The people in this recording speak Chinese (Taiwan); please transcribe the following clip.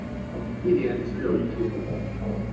一年只有一天